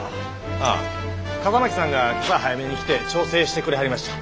ああ笠巻さんが今朝早めに来て調整してくれはりました。